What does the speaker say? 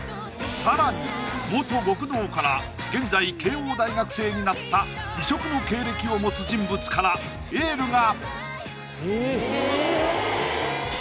更に極道から現在慶應大学生になった異色の経歴を持つ人物からエールが！